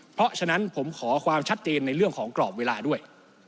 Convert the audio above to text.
เพราะฉะนั้นผมขอความชัดเจนในเรื่องของกรอบเวลาด้วย